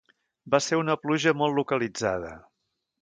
Va ser una pluja molt localitzada.